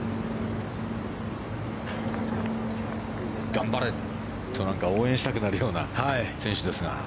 頑張れ！と応援したくなるような選手ですが。